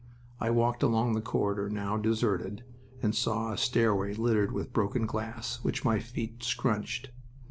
I walked along the corridor, now deserted, and saw a stairway littered with broken glass, which my feet scrunched.